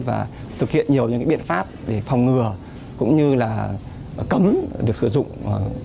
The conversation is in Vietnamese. và thực hiện nhiều những biện pháp để phòng ngừa cũng như là cấm việc sử dụng các chất nổ và đặc biệt là pháo